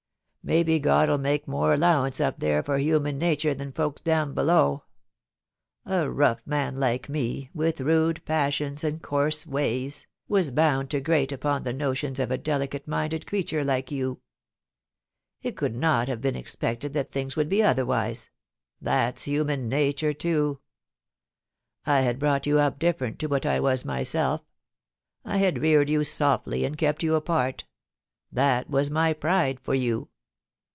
Maybe God 'uU make more allowance up there for human nature than folks down below. ... A rough man like me, with rude passions and coarse ways, was bound to grate upon the notions of a delicate minded creature like you. It could not have been expected that things would be otherwise — that's human nature too. I had brought you up different to what I wa.s myself. I had reared you softly and kept you apart ; that was my pride for you.